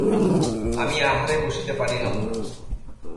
আমি আহারে বসিতে পারিলাম না।